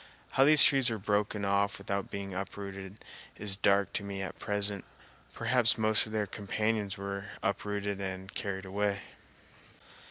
How these trees were broken off without being uprooted is dark to me at present. Perhaps most of their companions were up rooted and carried away.